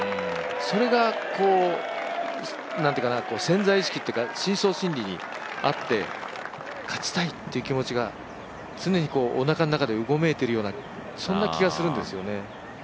それが、こう潜在意識というか深層心理にあって、勝ちたいという気持ちが常におなかの中でうごめいているような、そんな気がするんですよね。